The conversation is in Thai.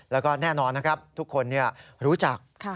แล้วก็แน่นอนนะครับทุกคนรู้จัก